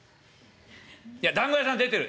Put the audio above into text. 「いやだんご屋さん出てる」。